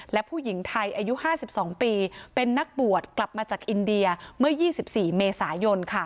และผู้หญิงไทยอายุ๕๒ปีเป็นนักบวชกลับมาจากอินเดียเมื่อ๒๔เมษายน